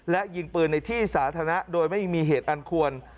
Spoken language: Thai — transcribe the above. และยิงปืนในที่สาธารณะโดยไม่มีเหตุอันควร